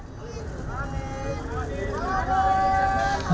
bila nasdem menunggu pdi perjuangan